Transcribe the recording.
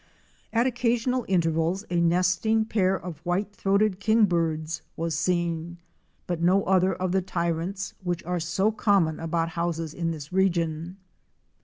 At occasional intervals a nesting pair of White throated Kingbirds was seen, but no other of the Tyrants which are socommon about houses in this region.